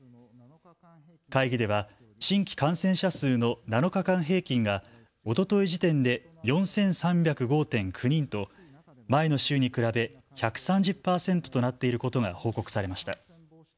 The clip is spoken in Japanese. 会議では新規感染者数の７日間平均が、おととい時点で４３０５．９人と前の週に比べ、１３０％となっていることが報告されました。